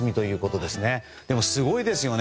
でもすごいですよね。